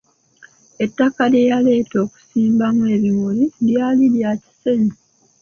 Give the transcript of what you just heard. Ettaka lye yaleeta okusimbamu ebimuli lyali lya kisenyi.